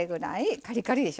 カリカリでしょ。